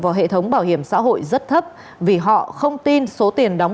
vào hệ thống bảo hiểm xã hội rất thấp vì họ không tin số tiền đóng